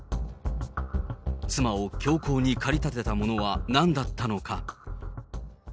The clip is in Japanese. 妻を凶行に駆り立てたものはなんだったのか。